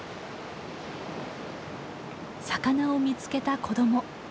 魚を見つけた子ども。